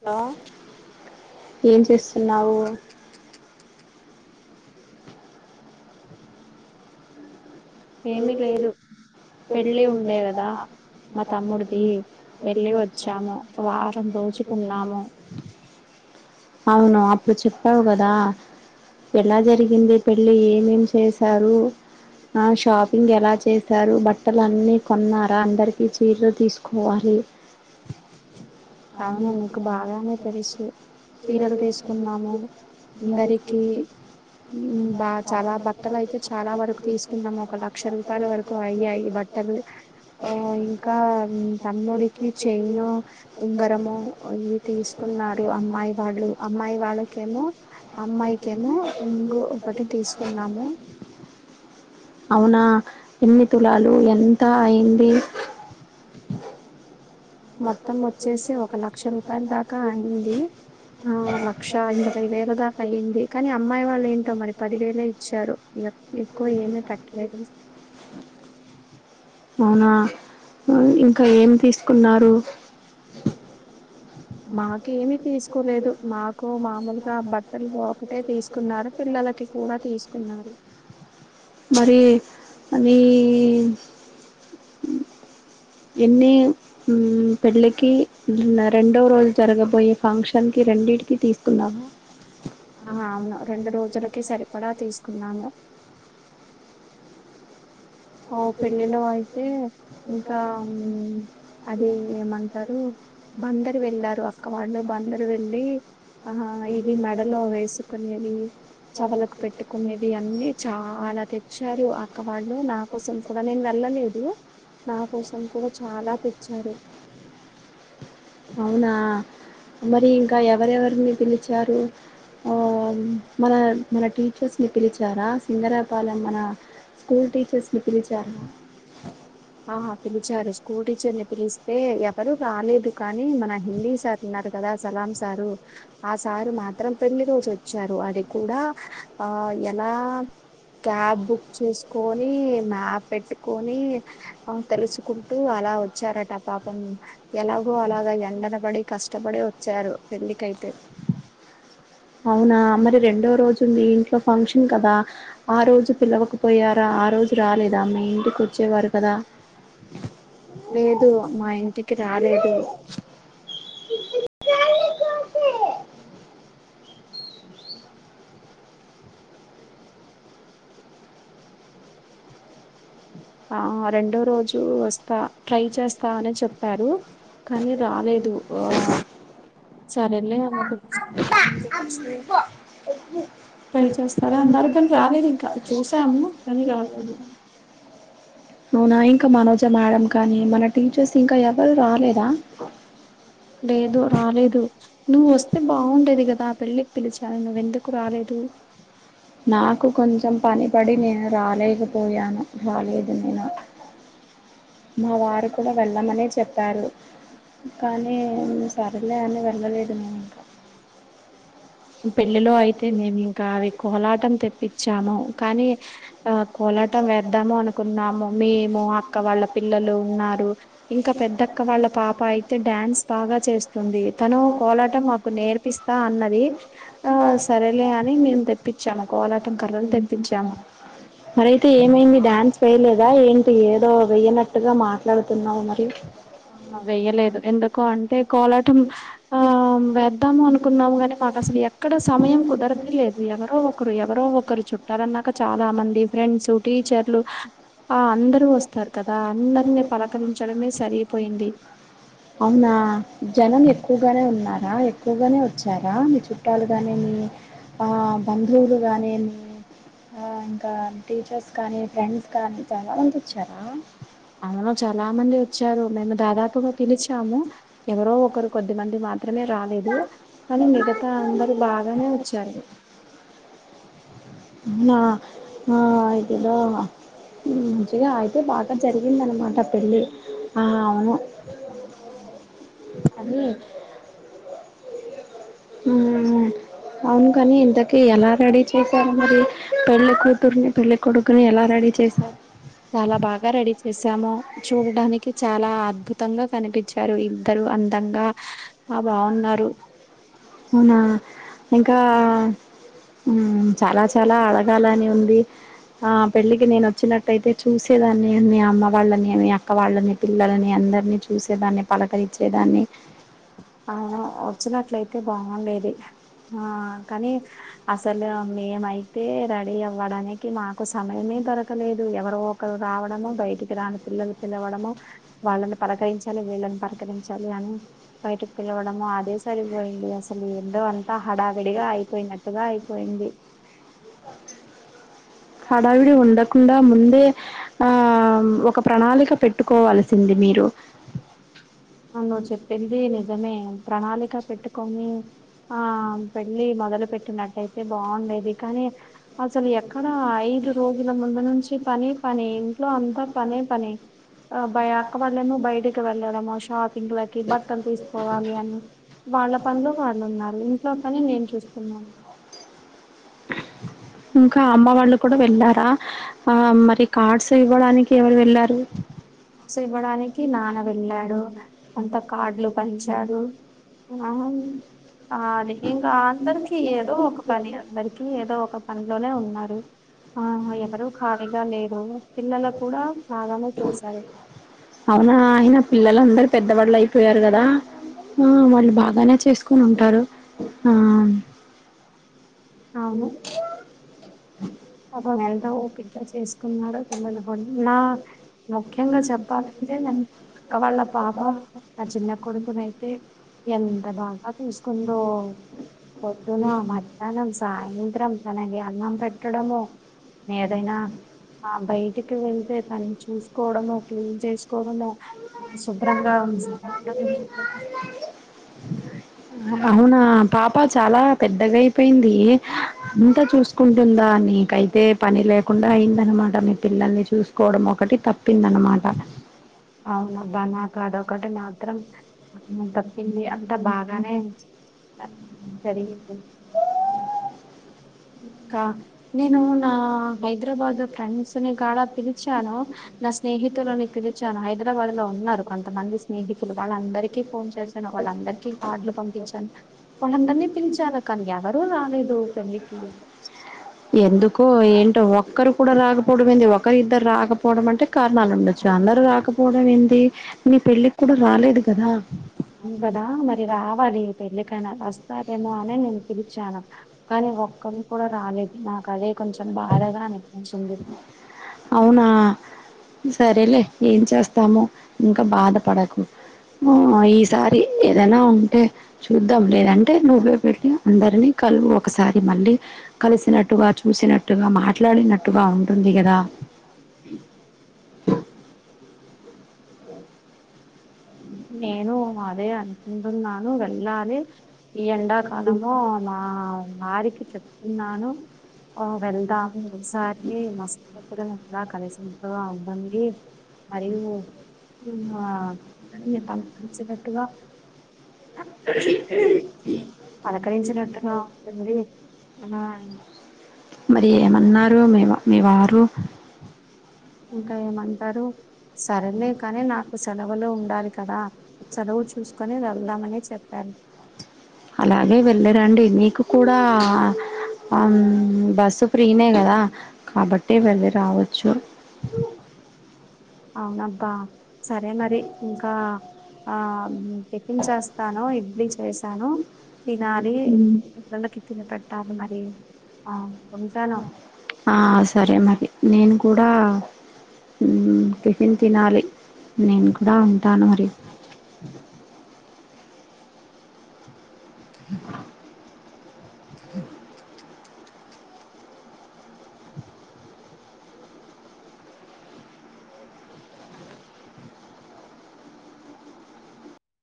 Hello ఏం చేస్తున్నావు ఏమి లేదు పెళ్లి ఉండె కదా మా తమ్ముడిది వెళ్ళి వచ్చాము, వారం రోజులున్నాము. అవునా అప్పుడు చెప్పావు కదా, ఎలా జరిగింది పెళ్ళి. ఏమేమి చేసారు ఆ షాపింగ్ ఎలా చేస్ సారు బ ట్టలు అన్నీ కొన్నారా, అందరికీ చీరలు తీసుకోవాలి. అవును మీకు బాగానే తెలిసు. చీరలు తీసుకున్నాము, అందరికి బా చాలా బట్టలు అయితే చాలా వరకు తీసుకున్నాము. ఒక లక్ష రూపాయలు వరకు అయ్యాయి బట్టలు ఆ ఇంకా తమ్ముడికి చైను ఉంగరము ఇవి తీసుకున్నారు అమ్మాయి వాళ్ళు, అమ్మాయి వాళ్ళకేమో అమ్మాయికేమో రింగు ఒకటి తీసుకున్నాము. అవునా ఎన్ని తులాలు ఎంత అయింది. మొత్తం వచ్చేసి ఒక లక్ష రూపాయలు దాకా అయ్యింది, ఆ లక్ష ఇరవై వేలు దాకా అయింది కానీ అమ్మాయి వాళ్ళు ఏంటో మరి పదివేలే ఇచ్చారు. ఎక్కువ ఏమీ పెట్ట ఫుడ్ ఐటమ్స్ అవునా ఇంకా ఏం తీసుకున్నారు. మాకి ఏమి తీస్ కొలేదు నాకు మాములు తా బ ట్టలు ఒకటే తీసుకున్నారు, పిల్లలకి కూడా తీసుకున్నారు. మరి అవి ఎన్ని హ్మ్ పెళ్లికి రెండో రోజు జరగబోయే ఫంక్షన్ షన్కి రెండింటికిీ తీసుకున్నావా ఆ అవును రెండు రోజులకి సరి కూడా తీసుకున్నాము. ఆ పెళ్ళిలో అయితే ఇంకా అది ఏమంటారు బందరు వెళ్ళారు, అక్క వాళ్ళు బందరు వెళ్ళి ఆ ఇవి మెడలో వేసుకునేవి, చెవులకు పెట్టుకునేవి అన్ని చాలా తెచ్చారు అక్క వాళ్ళు నాకు. అసలు కూడ నేను వెళ్ళలేదు, నా కోసం కూడా చాలా తెచ్చారు. అవునా మరి ఇంకా ఎవరెవరిని పిలి చారు ఆ మన మన టీచర్స్ ని పిలిచారా సింగరాపాలెం మన స్కూల్ టీచర్స్ ని ఆ పిలిచారు స్కూల్ టీచర్ ని పిలిస్తే ఎవరు రాలేదు, కానీ మన హిందీ సార్ ఉన్నారు కదా సలాం సారు ఆ సారు మాత్రం పెళ్లి రోజు వచ్చారు. అది కూడా ఆ ఎలా క్యాబ్ బుక్ చూస్కోని ఈ మ్యాపెట్టుకోని తెలుసుకుంటూ అలా వచ్చారట పాపం ఎలాగో అలాగ ఎండన పడి కష్టపడి వచ్చారు పెళ్ళికైతే రోజు ఉంది ఇంట్లో ఫంక్షన్ కదా ఆ రోజు పిలవకపోయార ఆ రోజు రాలేదా మీ ఇంటి కి వచ్చేవారు కదా ఇంటికి మా ఇంటికి రండి అని [unintelligible] ఆ రెండో రోజూ వస్తా ట్రై చేస్తా అని చెప్పారు కానీ రాలేదు ఆ సరేలే ట్రై చేస్తార మరి కానీ రాలేదు ఇంకా చూసాము కానీ రాలేదు అవునా ఇంకా మనోజ మేడం కానీ మన టీచర్స్ ఇంకా ఎవరు రాలేదా లేదు రాలేదు. నువ్ వస్తే బా బావుండేది గదా పెళ్ళికి పిలిచా నువ్ ఎందుకు రాలేదు నాకు కొంచెం పని పడి నేను రాలేదు. పోయాను రాలేదు నేను మా వారు కూడా వెళ్ళమనే చెప్పారు. కానీ సర్లే అని వెళ్ళలేదు మేము ఇంక పెళ్ళిలో అయితే మేము ఇంకా అవి కోలాటం తెప్పించాము. కానీ ఆ కోలాటం వేద్దాము అనుకున్నాము. మేము అక్క వాళ్ళ పిల్లలు ఉన్నారు. ఇంకా పెద్దక్క వాళ్ళ పాప అయితే డ్యాన్స్ బాగా చేస్తుంది. తను కోలాటం మాకు నేర్పిస్తా అన్నది. ఆ సరేలే అని మేము తెప్పించాము కోలాటం కర్రలు తెప్పించాము. లేదా ఏంటి ఏదో వెయ్యనట్టుగా మాట్లాడుతున్నావు మరి వెయ్యలేదు ఎందుకో అం కోలాటం ఆ వేద్దాము అనుకున్నాము. కాని మాకు అసలు ఎక్కడ సమయం కుదరనే లేదు. ఎవరో ఒకరు ఎవరో ఒకరు చుట్టాలన్నాక చాలా మంది డిఫరెన్స్ టీచర్లు ఆ అందరూ వస్తారు కదా అందరిని పలకరించడమే సరి. అవునా జనం ఎక్కువగానే ఉం రా ఎక్కువగానే వచ్చారా మీ చుట్టాలు కానీ మీ ఆ బంధువులు కానీ మీ ఆ ఇంకా టీచర్స్ కానీ ఫ్రెండ్స్ కానీ చాలా మంది వచ్చారా అవును చాలా మంది వచ్చారు మేము దాదాపుగా పిలిచాము ఎవరో ఒక కొరి కొద్దిమంది మాత్ మాత్రమే రాలేదు కానీ మిగతా అందరూ బాగానే వచ్చారు ఆ ఇదిగో మంచిగా అయితే బాగా జరిగిందన్నమాట పెళ్ళి ఆ అవును హ [inaudible] హ్మ్ అవును కాని ఇంతకీ ఎలా రెడీ చేశారు మరి పెళ్లికూతురుని పెళ్లికొడుకుని ఎలా రెడీ చేశారు చాలా బాగా రెడీ చేసాము చూడడానికి చాలా అద్భుతంగా కనిపించారు ఇద్దరు అందంగా అవునా ఇంకా చాలా చాలా అడగాలని ఉంది ఆ పెళ్ళికి నేను చాలా చాలా చాలా అడగాలి అనీ ఉండి పెళ్ళికి వచ్చినట్టయితే చూసేదాన్ని మీ అమ్మ వాళ్ళని మీ అక్క వాళ్ళని పిల్లలని అందరినీ చూసేదాన్ని పలకలిచ్చేదాన్ని ఆ వచ్చినట్లయితే బాగుండేది ఆ కానీ అసలు మేమైతే రెడీ అవ్వడానికి మాకు సమయమే దొరకలేదు ఎవరు ఒకరు రావడము బయటికి రాని పిల్లలు పిలవడము వాళ్ళని పలకరించాలి వీళ్ళని పలకరించాలి అని బయటకి పిలవడము అదే సరిపోయింది అసలు ఏంటో అంతా హడావిడిగా అయిపోయినట్టుగా అయిపోయింది హడావిడి ఉండకుండా ముందే ఆ ఒక ప్రణాళిక పెట్టుకోవాల్సింది మీరు ఆ నువ్వు చెప్పింది నిజమే ప్రణాళిక పెట్టి ఎకుమీ ఆ పెళ్ళి మొదలు పెట్టి చూస్తున్నట్లయితే బాగుండేది కానీ అసలు ఎక్కడా ఐదు రోజుల ముందు నుంచి పని పని ఇంట్లో అంతా పనే పని ఆ బ అక్క వాళ్లేమో బయటకి వెళ్ళడము షాపింగ్లకి బట్టలు తీసుకోవాలి అని వాళ్ళ పనిలో వాళ్ళు ఉన్నారు ఇంట్లో పని నేను చూస్తున్నాను ఇంకా అమ్మ వాళ్లు కూడా వెళ్ళారు ఆ ఆ మరి కార్డ్స్ ఇవ్వడానికి ఎవరు వెళ్ళారు సో ఇవ్వడానికి నాన్న వెళ్లాడు అంత కార్డులు పంచారు ఆ ఓం ఆ అది ఇంకా అందరికీ ఏదో ఒక పని అందరి ఏదో ఒక పనిలోనే ఉన్నారు ఆ ఎవరు ఖాళీగా లేరు పిల్లలు కూడా బాగానే చూశారు అవునా ఆయన పిల్లలు అందరు పెద్దవాళ్లు అయిపోయారు కదా ఆ వాళ్లు బాగానే చేసుకొని ఉంటారు ఆ [unintelligible] అబ్బా ఎంతా ఓపిక చేసి ఉన్నారా పిల్లలు ఉన్నా ముఖ్యంగా చెప్పాలంటే అక్క వాళ్ళ పాప ఆ చిన్న కొడుకునైతే ఎంత బాగా చూసుకుందో పొద్దున, మధ్యాహ్నం, సాయంత్రం తనకి అన్నం పెటా డమో ఏదైనా ఆ బయటికి వెళ్తే నీ పనిచ్ చూసుకోవడము క్లీన్ చేసుకోవడము శుభ్రంగా ఉంచుకుంటా అవునా ఆ పాప చాలా పెద్దగా అయిపోయింది అంతా చూసుకుంటుందా నీకైతే పని లేకుండా అయిందన్నమాట పిల్లల్ని చూసుకోవడం ఒకటి తప్పు చెప్పిందన్నమాట అవును అబ్బా అదొకటి మాత్రం తప్పింది అంతా బాగానే జరిగింది ఇంకా నేను నా హైదరాబాద్ ఫ్రెండ్స్ ని కాడా పిలిచాను నా స్నేహితు స్నేహితులని పిలిచాను హైదరాబాద్ లో ఉన్నారు కొంతమంది స్నేహితులు వాళ్ళందరికీ. ఫోన్ చేశాను వాళ్ళందరికీ కార్డులు పంపిచ్చాను వాలందర్నీ పిలిచాను కానీ ఎవర్ రాలేదు పెళ్లి కే స ఎందుకో ఏంటో ఒక్కరు కూడా రాకపోవడం ఏంది ఒకరి ఇద్దరు రాకపోవడం అంటే కారణాలు ఉండొచ్చు అందరు రాకపోవడం ఏంది నీ పెళ్ళికి కూడా రాలేదు కదా మ్ కదా మరి రావాలి పెళ్ళి కైనా వస్తారేమో అని నేను పిలిచాను కానీ ఒక్కలు కూడా రాలేదు నాకు అదే కొంచెం బాధగా అనిపించింది. సరేలే ఏం చేస్తాము ఇంకా బాధపడకు ఆ ఈసారి ఏదైనా ఉంటే చూద్దాం లేదంటే నువ్వే వెళ్ళి అందరినీ కలువు ఒ ఒకసారి మళ్ళీ కలిసినట్టుగా చూసినట్టుగా మాట్లాడినట్టుగా ఉంటుంది కదా. నేను అదే అనుకుంటున్నాను వెళ్ళాలి ఈ ఎండాకాలము నా వారికి చెప్తున్నాను ఆ వెళ్దాం ఈ సారి మస్త్ ఎప్పుడైనా కలిసినట్టుగా ఉంటుంది మరియు ఆ సని పంపించినట్టుగా పలకరించినట్టుగా ఉంటుంది. అ మరి ఏమన్నారు మీ మీ వారు ఇంకా ఏమంటారు సరేలే కానీ నాకు సెలవులు ఉ ఉండాలి కదా సెలవు చూసుకొని వెళ్దామని చెప్పారు అలాగే వెళ్ళి రండి మీకు కూడా బస్సు ఫ్రీనే కదా కాబట్టి వెళ్ళి రావచ్చు అవునబ్బా సరే మరి ఇంకా ఆ టిఫిన్ చేస్తాను ఇడ్లీ చేసాను తినాలి పిల్లలకిి తినపెట్టాలి మరి ఆ ఆ సరే మరి నేను కూడా మ్ టిఫిన్ తినాలి నేను కూడా ఉంటాను మరి.